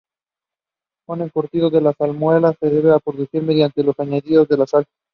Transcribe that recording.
Un encurtido de salmuera se puede producir mediante el añadido de sal.